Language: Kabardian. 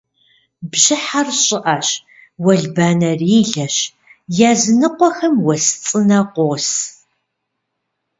Бжьыхьэр щӏыӏэщ, уэлбанэрилэщ, языныкъуэхэм уэс цӏынэ къос.